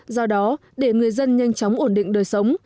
do đó để người dân nhanh chóng ổn định đời sống